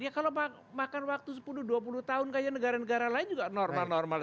ya kalau makan waktu sepuluh dua puluh tahun kayaknya negara negara lain juga normal normal